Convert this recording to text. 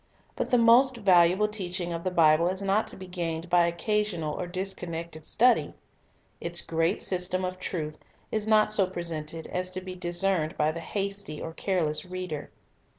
But the most valuable teaching of the Bible is not to be gained by occasional or disconnected study. Its great system of truth is not so presented as to be discerned by the hasty or careless reader.